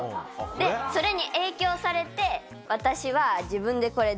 でそれに影響されて私は自分でこれ。